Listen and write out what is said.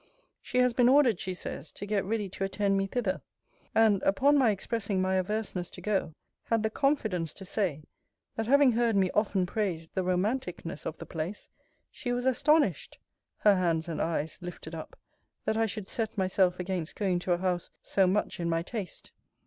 She has been ordered, she says, to get ready to attend me thither: and, upon my expressing my averseness to go, had the confidence to say, That having heard me often praise the romanticness of the place, she was astonished (her hands and eyes lifted up) that I should set myself against going to a house so much in my taste.